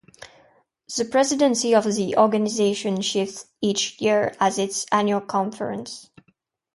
The presidency of the organization shifts each year at its annual conference.